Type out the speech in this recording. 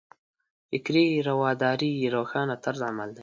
فکري رواداري یې روښانه طرز عمل دی.